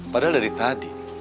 padahal dari tadi